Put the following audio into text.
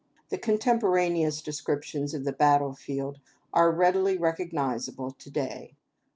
The contemporaneous descriptions of the "battle" field are readily recognizable to day.